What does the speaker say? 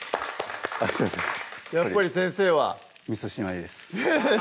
やっぱり先生はミスしないです